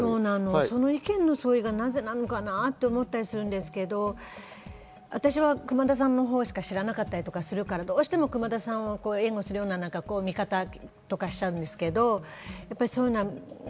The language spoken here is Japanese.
その意見の相違が何でなのかな？と思ったりするんですけど、私は熊田さんのほうしか知らなかったりするから、どうしてもこういう見方をしちゃうんですけど。